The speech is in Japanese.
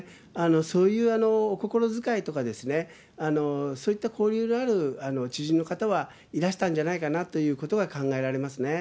そういうお心遣いとか、そういった交流がある知人の方はいらしたんじゃないかなということは考えられますね。